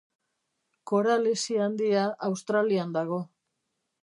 Koral Hesi Handia Australian dago.